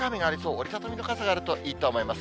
折り畳みの傘があるといいと思います。